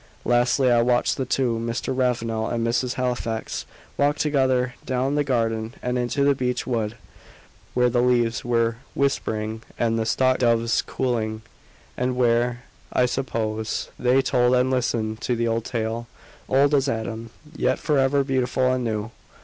Lastly, I watched the two Mr. Ravenel and Miss Halifax walk together down the garden and into the beech wood, where the leaves were whispering and the stock doves cooing; and where, I suppose, they told and listened to the old tale old as Adam yet for ever beautiful and new.